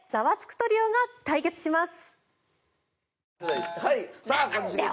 トリオが対決します。